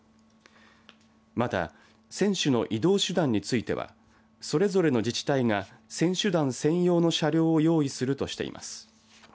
また、選手の移動手段についてはそれぞれの自治体が選手団専用の車両を用意するとしています。